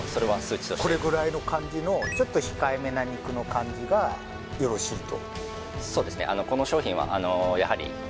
あのこれぐらいの感じのちょっと控えめな肉の感じがよろしいと？